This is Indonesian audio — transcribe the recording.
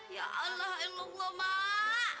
ya allah ya allah mak